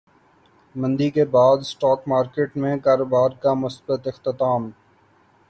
مندی کے بعد اسٹاک مارکیٹ میں کاروبار کا مثبت اختتام